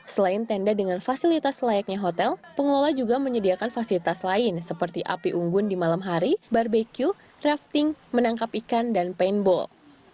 selain tenda dengan fasilitas layaknya hotel pengelola juga menyediakan fasilitas lain seperti api unggun di malam hari barbeq rafting menangkap ikan dan paintball